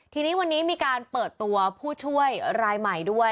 ทีนี้วันนี้มีการเปิดตัวผู้ช่วยรายใหม่ด้วย